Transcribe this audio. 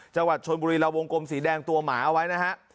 จังหวัดชนบุรีระวงกลมสีแดงตัวหมาเอาไว้นะฮะ